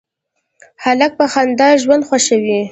هلک په خندا ژوند خوښوي.